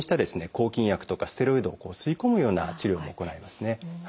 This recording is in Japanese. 抗菌薬とかステロイドを吸い込むような治療も行いますね。